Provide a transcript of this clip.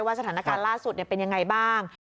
ว่าสถานการณ์ล่าสุดเป็นอย่างไรบ้าง